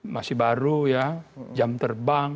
masih baru ya jam terbang